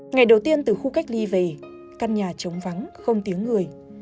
ngày đầu tiên từ khu cách ly về căn nhà chống vắng không tiếng người